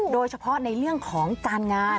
โดยเฉพาะในเรื่องของการงาน